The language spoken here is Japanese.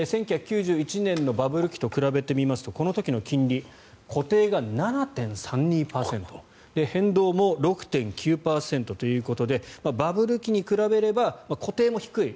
１９９１年のバブル期と比べてみますとこの時の金利、固定が７．３２％変動も６．９％ということでバブル期に比べれば固定も低い。